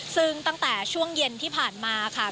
ซึ่งตั้งแต่ช่วงเย็นที่ผ่านมาค่ะ